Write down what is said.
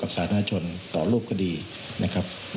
สาธารณชนต่อรูปคดีนะครับ